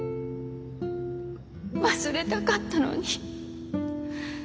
忘れたかったのに。